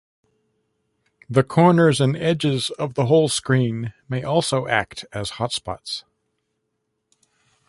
The corners and edges of the whole screen may also act as hotspots.